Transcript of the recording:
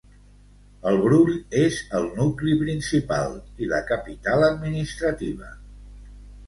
El Brull és el nucli principal i la capital administrativa.